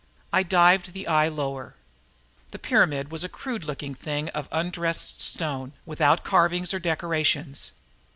I dived the eye lower. The pyramid was a crude looking thing of undressed stone, without carvings or decorations.